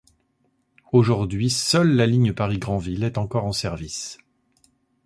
Aujourd'hui seule la ligne Paris - Granville est encore en service.